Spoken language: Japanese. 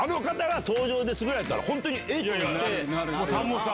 タモさん